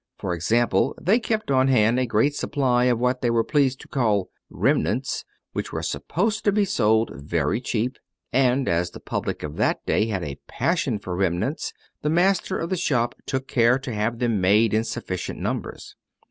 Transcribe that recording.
For example, they kept on hand a great supply of what they were pleased to call "remnants," which were supposed to be sold very cheap; and as the public of that day had a passion for remnants, the master of the shop took care to have them made in sufficient numbers.